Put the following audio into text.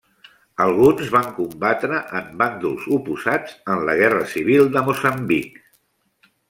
Alguns van combatre en bàndols oposats en la guerra civil de Moçambic.